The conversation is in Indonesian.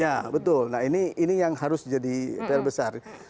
ya betul nah ini yang harus jadi pr besar